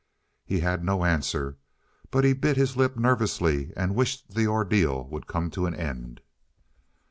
He had no answer, but bit his lip nervously and wished the ordeal would come to an end.